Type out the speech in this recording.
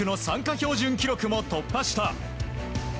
標準記録も突破した。